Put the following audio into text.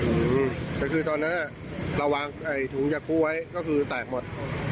อืมแต่คือตอนนั้นเราวางไอ้ถุงยาคั่วไว้ก็คือแตกหมด